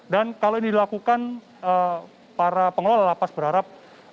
dan kalau ini dilakukan para pengelola lapas berharap